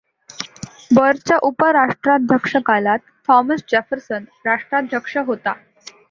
बरच्या उपराष्ट्राध्यक्षकालात Thomas Jefferson राष्ट्राध्यक्ष होता.